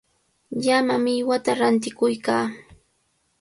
Llama millwata rantikuykaa.